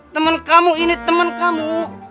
temen kamu ini temen kamu